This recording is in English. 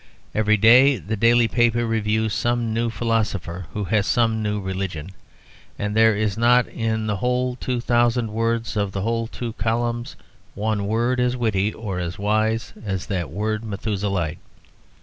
Every day the daily paper reviews some new philosopher who has some new religion; and there is not in the whole two thousand words of the whole two columns one word as witty as or wise as that word "Methuselahite."